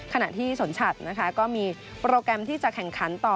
ขณะที่สนชัดนะคะก็มีโปรแกรมที่จะแข่งขันต่อ